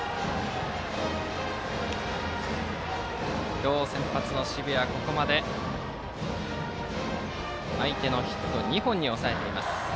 今日、先発の澁谷はここまで相手のヒットを２本に抑えています。